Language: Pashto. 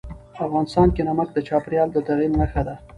افغانستان کې نمک د چاپېریال د تغیر نښه ده.